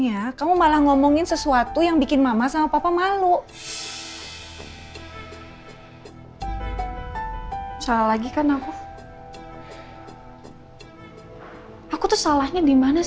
tadi mama tuh udah seneng banget tok tung